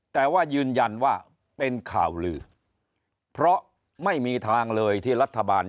แต่ว่ายืนยันว่าเป็นข่าวลือเพราะไม่มีทางเลยที่รัฐบาล